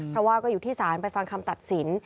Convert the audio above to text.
เพราะว่าก็อยู่ที่ศาลไปฟังคำตัดสิน